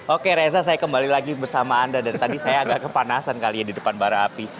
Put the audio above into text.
oke reza saya kembali lagi bersama anda dan tadi saya agak kepanasan kali ya di depan bara api